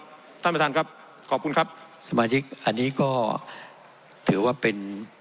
ท่านประธานครับขอบคุณครับสมาชิกอันนี้ก็ถือว่าเป็น